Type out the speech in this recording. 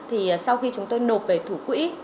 thì sau khi chúng tôi nộp về thủ quỹ